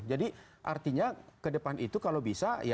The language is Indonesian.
jadi artinya ke depan itu kalau bisa ya libur hanya